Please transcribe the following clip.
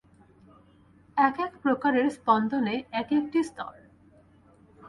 এক-এক প্রকারের স্পন্দনে এক-একটি স্তর।